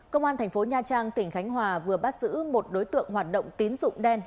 công an tp nha trang tp khánh hòa vừa bắt giữ một đối tượng hoạt động tín dụng đen